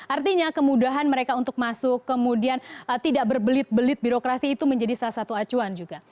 artinya kemudahan mereka untuk masuk kemudian tidak berbelit belit birokrasi itu menjadi salah satu acuan juga